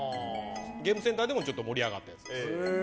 ゲームセンターでも盛り上がったものです。